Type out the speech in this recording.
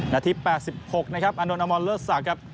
นาที๘๖นะครับอันนโนนมอลเลอร์สักครับ